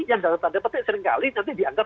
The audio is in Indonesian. yang dalam tanda petik seringkali nanti dianggap